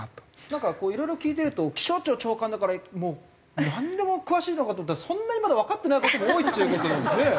なんかいろいろ聞いてると気象庁長官だからなんでも詳しいのかと思ったらそんなにまだわかってない事も多いっちゅう事なんですね。